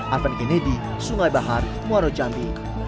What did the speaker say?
arvan kennedy sungai bahar muarocanti